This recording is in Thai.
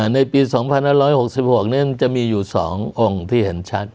ในปี๒๕๖๖นั้นจะมีอยู่๒องค์ที่เห็นชัด